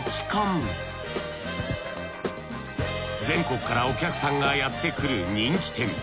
全国からお客さんがやってくる人気店。